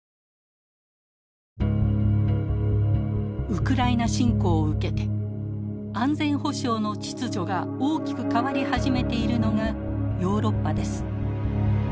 ウクライナ侵攻を受けて安全保障の秩序が大きく変わり始めているのがヨーロッパです。